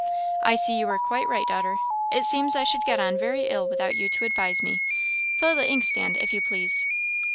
"I see you are quite right, daughter; it seems I should get on very ill without you to advise me. Fill the inkstand, if you please."